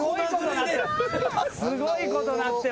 すごいことなってる。